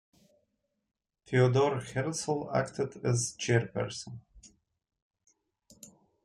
Theodor Herzl acted as chairperson.